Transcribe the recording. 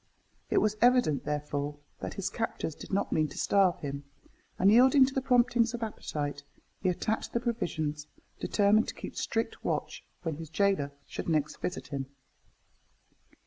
It was evident, therefore, that his captors did not mean to starve him, and yielding to the promptings of appetite, he attacked the provisions, determined to keep strict watch when his gaoler should next visit him.